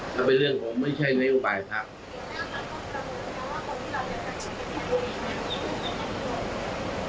ถ้าเป็นเรื่องของไม่ใช่นโยบายพัก